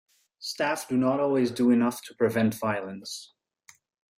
Staff do not always do enough to prevent violence.